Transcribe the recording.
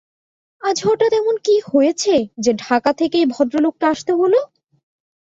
আজ হঠাৎ এমন কি হয়েছে যে ঢাকা থেকে এই ভদ্রলোককে আসতে হলো?